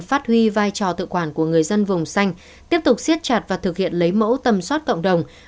phát huy vai trò tự quản của người dân vùng xanh tiếp tục siết chặt và thực hiện lấy mẫu tầm soát cộng đồng